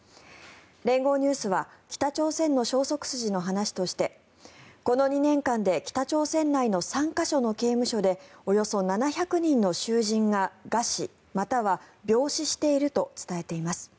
連合ニュースは北朝鮮の消息筋の話としてこの２年間で北朝鮮内の３か所の刑務所でおよそ７００人の囚人が餓死または病死していると伝えています。